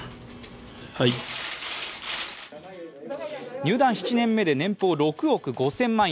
入団７年目で年俸６億５０００万円。